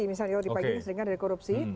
misalnya kalau dipakai seringkan dari korupsi